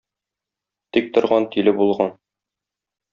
Тик торган тиле булган.